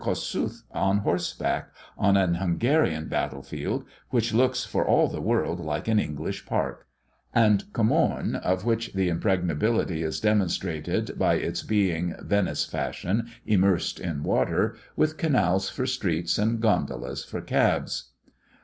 Kossuth on horseback, on an Hungarian battle field, which looks for all the world like an English park; and Komorn, of which the impregnability is demonstrated by its being, Venice fashion, immersed in water, with canals for streets, and gondolas for cabs.